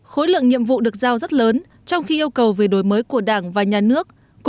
khối lượng nhiệm vụ được giao rất lớn trong khi yêu cầu về đổi mới của đảng và nhà nước